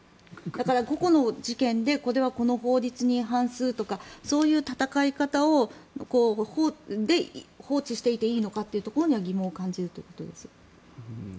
だから個々の事件でここではこの法律に違反するとかそういう戦い方放置していていいのかというところに疑問を感じるということです。